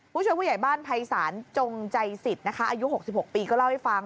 ผู้ช่วยผู้ใหญ่บ้านภัยศาลจงใจสิทธิ์นะคะอายุ๖๖ปีก็เล่าให้ฟัง